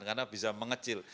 karena bisa mengecil